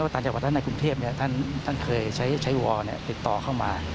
ต่างจากวัฒนาคุณเทพท่านเคยใช้วอร์ติดต่อเข้ามา